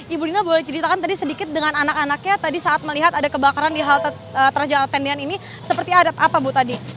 ibu dina boleh ceritakan tadi sedikit dengan anak anaknya tadi saat melihat ada kebakaran di halte transjawa tendian ini seperti ada apa bu tadi